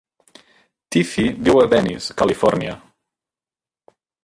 Teefy viu a Venice, Califòrnia.